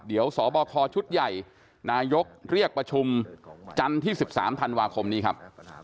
เดี๋ยวสบคชุดใหญ่นายกเรียกประชุมจันทร์ที่๑๓ธันวาคมนี้ครับ